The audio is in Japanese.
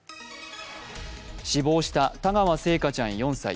死亡した田川星華ちゃん、４歳。